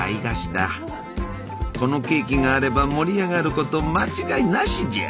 このケーキがあれば盛り上がること間違いなしじゃ！